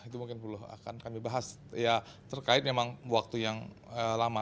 itu mungkin perlu akan kami bahas ya terkait memang waktu yang lama